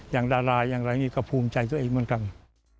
ดาราอย่างไรนี่ก็ภูมิใจตัวเองเหมือนกัน